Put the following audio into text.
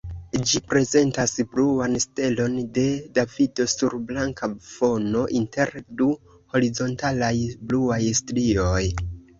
Ĝi prezentas bluan stelon de Davido sur blanka fono, inter du horizontalaj bluaj strioj.